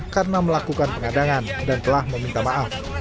karena melakukan pengadangan dan telah meminta maaf